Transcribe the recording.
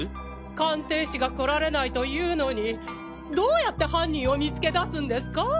鑑定士が来られないというのにどうやって犯人を見つけ出すんですか？